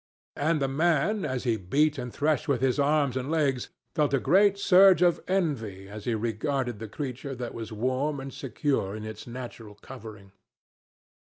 And the man as he beat and threshed with his arms and hands, felt a great surge of envy as he regarded the creature that was warm and secure in its natural covering.